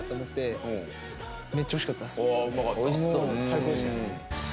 最高でしたね。